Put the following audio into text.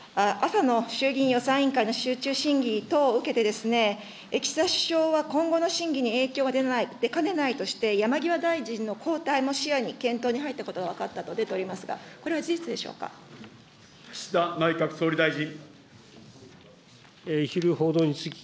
朝の衆議院予算委員会の集中審議等を受けて、岸田首相は今後の審議に影響が出かねないとして山際大臣の交代も視野に検討に入ったことが分かったと出ておりますが、これは事実岸田内閣総理大臣。